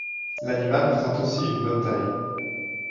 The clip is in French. L'animal présente aussi une bonne taille.